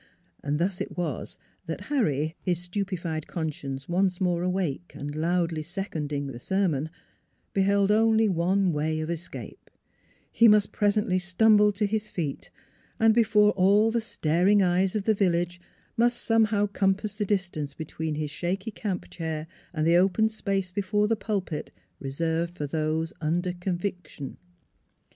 Thus it was that Harry his stupefied conscience once more awake and loudly seconding the sermon beheld only one way of escape : he must presently stumble to his feet and before all the staring eyes of the village must somehow compass the dis tance between his shaky camp chair and the open space before the pulpit reserved for those " under 262 NEIGHBORS conviction."